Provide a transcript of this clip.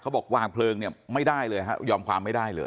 บอกวางเพลิงเนี่ยไม่ได้เลยฮะยอมความไม่ได้เลย